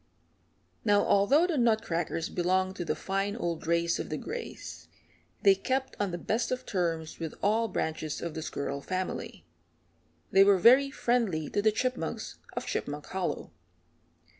Now although the Nutcrackers belonged to the fine old race of the Grays, they kept on the best of terms with all branches of the squirrel family. They were very friendly to the Chipmunks of Chipmunk Hollow.